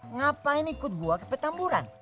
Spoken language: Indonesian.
ngapain ikut gua ke petamburan